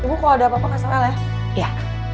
bu kalo ada apa apa kasih el ya